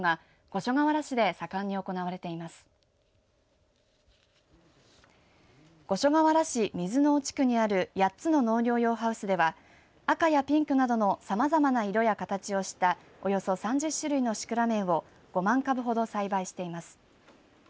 五所川原市水野尾地区にある８つの農業用ハウスでは赤やピンクなどのさまざまな色や形をしたおよそ３０種類のシクラメンを５万株ほど栽培しています。